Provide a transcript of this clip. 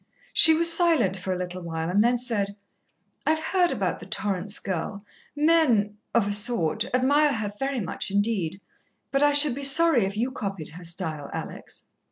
She was silent for a little while and then said, "I've heard about the Torrance girl. Men of a sort admire her very much indeed, but I should be sorry if you copied her style, Alex."